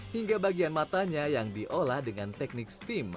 hingga bagian matanya yang diolah dengan teknik steam